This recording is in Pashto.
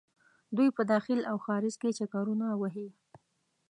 دوۍ په داخل او خارج کې چکرونه وهي.